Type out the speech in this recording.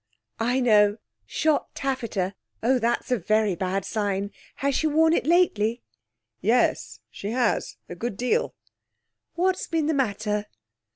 'I know. Shot taffeta! Oh, that's a very bad sign. Has she worn it lately?' 'Yes, she has, a good deal.' 'What's been the matter?'